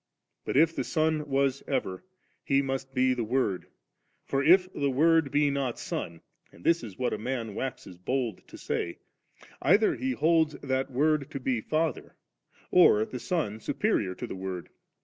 But if the Son was ever, He must be the Word; for if the Word be not Son, and thb is what a man waxes bold to say, either be holds that Word to be Father or the Son superior to the Word.